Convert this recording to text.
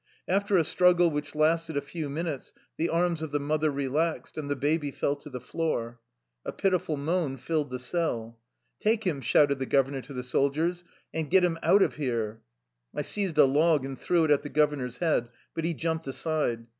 After a struggle which lasted a few minutes the arms of the mother relaxed, and the baby fell to the floor. A pitiful moan filled the cell. " Take him," shouted the governor to the sol diers, " and get him out of here." I seized a log and threw it at the governor's head, but he jumped aside.